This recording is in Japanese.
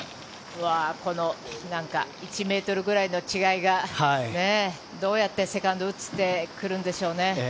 この１ｍぐらいの違いがねどうやってセカンド打ってくるんでしょうね。